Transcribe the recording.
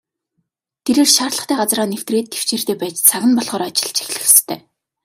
Тэрээр шаардлагатай газраа нэвтрээд тэвчээртэй байж цаг нь болохоор ажиллаж эхлэх ёстой.